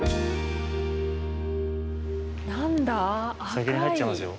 先に入っちゃいますよ。